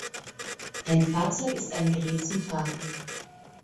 Ein Fahrzeug ist ein Gerät zum Fahren.